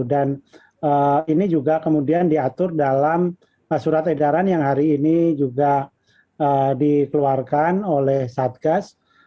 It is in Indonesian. dan ini juga kemudian diatur dalam surat edaran yang hari ini juga dikeluarkan oleh ksatgas